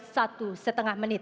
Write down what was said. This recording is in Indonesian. satu setengah menit